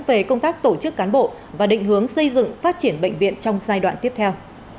về công tác tổ chức cán bộ và định hướng xây dựng phát triển bệnh viện trong giai đoạn tiếp theo